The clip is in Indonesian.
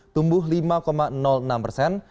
tumbuh lima enam persen